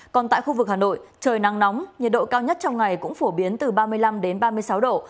còn tại khu vực hà nội trời nắng nóng nhiệt độ cao nhất trong ngày cũng phổ biến từ ba mươi năm ba mươi sáu độ